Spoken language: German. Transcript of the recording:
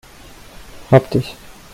Hab dich!